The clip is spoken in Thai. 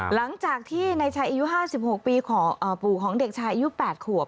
หลังจากที่ในชายอายุ๕๖ปีปู่ของเด็กชายอายุ๘ขวบ